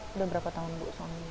sudah berapa tahun bu suami